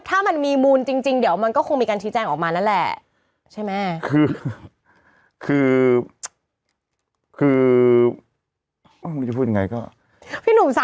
ถ้ามันมีมูลจริงเดี๋ยวมันก็คงมีการชี้แจ้งออกมานั่นแหละใช่ไหม